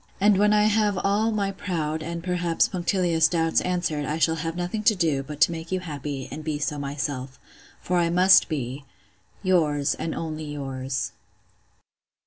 And when I have all my proud, and, perhaps, punctilious doubts answered, I shall have nothing to do, but to make you happy, and be so myself. For I must be 'Yours, and only yours.